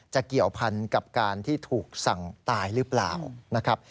จะเกี่ยวพันกับการที่ถูกสั่งตายหรือเปล่า